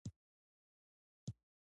دا خبره یوازې په هغه وخت کوو.